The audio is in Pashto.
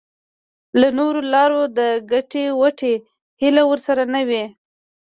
له نورو لارو د ګټې وټې هیله ورسره نه وي.